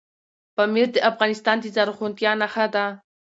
پامیر د افغانستان د زرغونتیا نښه ده.